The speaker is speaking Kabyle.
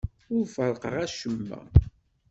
Ur ferrqeɣ acemma.